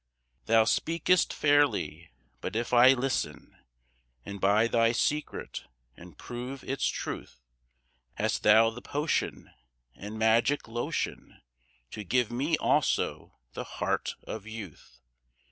Thou speakest fairly; but if I listen And buy thy secret and prove its truth, Hast thou the potion and magic lotion To give me also the heart of youth?